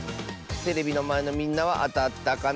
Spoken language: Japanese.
テレビのまえのみんなはあたったかな？